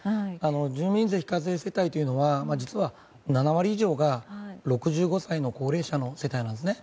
住民税非課税世帯というのは実は７割以上が６５歳の高齢者の世帯なんです。